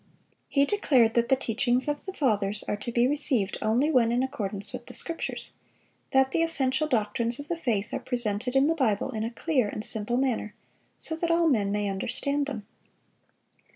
He declared that the teachings of the Fathers are to be received only when in accordance with the Scriptures; that the essential doctrines of the faith are presented in the Bible in a clear and simple manner, so that all men may understand them.